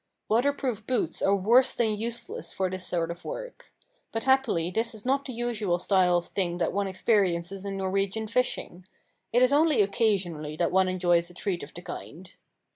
Water proof boots are worse than useless for this sort of work. But happily this is not the usual style of thing that one experiences in Norwegian fishing. It is only occasionally that one enjoys a treat of the kind.